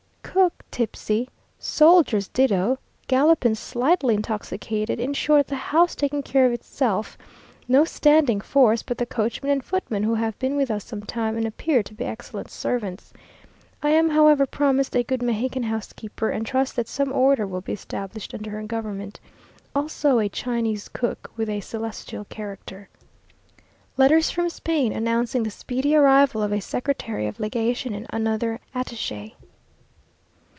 Cook tipsy soldiers ditto galopine slightly intoxicated in short, the house taking care of itself no standing force but the coachman and footman, who have been with us some time, and appear to be excellent servants. I am, however, promised a good Mexican housekeeper, and trust that some order will be established under her government; also, a Chinese cook, with a celestial character.... Letters from Spain, announcing the speedy arrival of a Secretary of Legation and another attache.